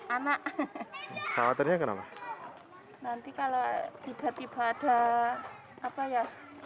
anak khawatirnya kenapa nanti kalau tiba tiba ada apa ya